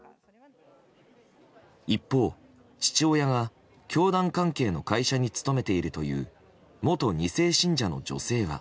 一方、父親が教団関係の会社に勤めているという元２世信者の女性は。